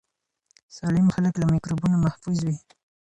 سالم خلک له میکروبونو محفوظ وي.